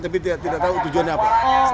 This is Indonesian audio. tapi tidak tahu tujuannya apa